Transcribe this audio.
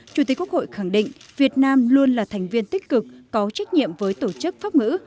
chủ tịch quốc hội khẳng định việt nam luôn là thành viên tích cực có trách nhiệm với tổ chức pháp ngữ